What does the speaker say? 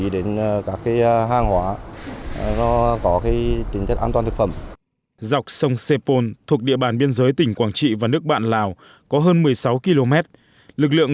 dọc sông sepol thuộc địa bàn biên giới tỉnh quảng trị và nước bạn lào có hơn một mươi sáu km lực lượng